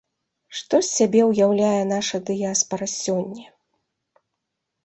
Што з сябе ўяўляе наша дыяспара сёння?